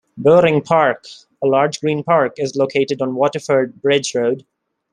Bowring Park, a large green park, is located on Waterford Bridge Road.